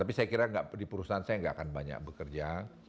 tapi saya kira di perusahaan saya nggak akan banyak bekerja